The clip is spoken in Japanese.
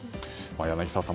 柳澤さん。